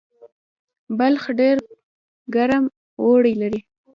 بلخ ډیر ګرم اوړی لري